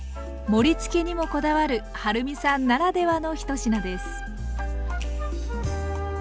盛りつけにもこだわるはるみさんならではの１品です。